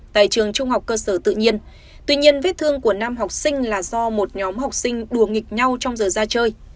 tại trường trung học cơ sở tự nhiên tuy nhiên vết thương của nam học sinh là do một nhóm học sinh đùa nghịch nhau trong giờ ra chơi